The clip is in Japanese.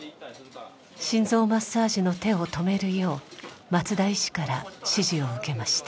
心臓マッサージの手を止めるよう松田医師から指示を受けました。